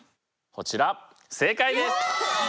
こちら正解です！